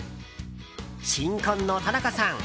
新婚の田中さん。